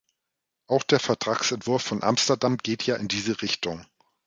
Auch der Vertragsentwurf von Amsterdam geht ja in diese Richtung.